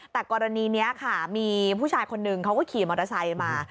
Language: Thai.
แต่กรณีนี้ค่ะมีผู้ชายคนนึงเขาก็ขี่มอเตอร์ไซค์มา